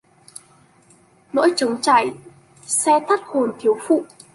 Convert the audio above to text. Nỗi trống trải se thắt hồn thiếu phụ